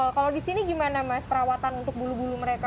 kalau di sini gimana mas perawatan untuk bulu bulu mereka